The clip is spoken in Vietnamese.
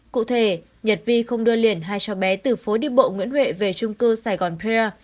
cụ thể nhật vi không đưa liền hai cháu bé từ phố đi bộ nguyễn huệ về trung cư sài gòn peer